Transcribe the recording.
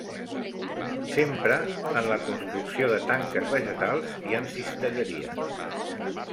S'empra en la construcció de tanques vegetals i en cistelleria.